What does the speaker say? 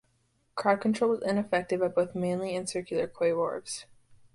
Crowd control was ineffective at both the Manly and Circular Quay wharves.